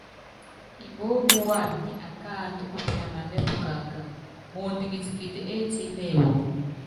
Mbómbú wam nyi akáaandú úpiananɛ́ pukaká, muundɔ kitikiti étíne wɔ.